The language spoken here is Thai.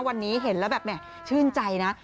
วันนี้เห็นแล้วแบบแห่ชื่นใจนะ